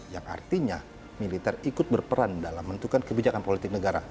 yang artinya militer ikut berperan dalam bentukan kebijakan politik negara